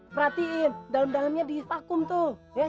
perhatiin dalam dalamnya di vakum tuh